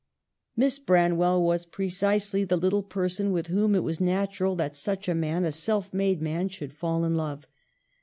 Miss Branwell was precisely the little person with whom it was natural that such a man, a self made man, should fall in love.